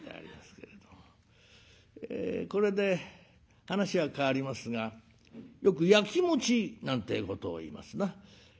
これで話は変わりますがよくやきもちなんてえことをいいますな。